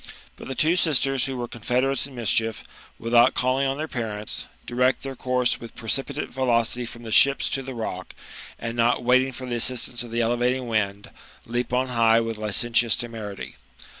But the two sisters who were confederates in mischief, without calling on their parents, direct their course with precipitate velocity from the ships to the rock, and not waiting for the assistance of the elevating wind, leap on high with licentious temerity.